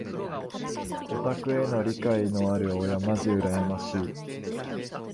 オタクへの理解のある親まじ羨ましい。